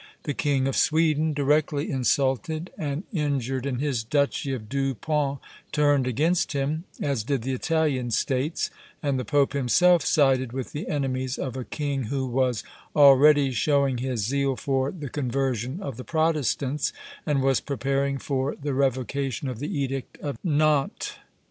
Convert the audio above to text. The king of Sweden, directly insulted, and injured in his duchy of Deux Ponts, turned against him, as did the Italian States; and the Pope himself sided with the enemies of a king who was already showing his zeal for the conversion of the Protestants, and was preparing for the revocation of the Edict of Nantes.